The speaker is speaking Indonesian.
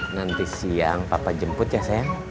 nanti siang papa jemput ya saya